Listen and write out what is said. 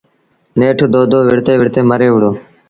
نيٺ دودو وڙهتي وڙهتي مري وُهڙو۔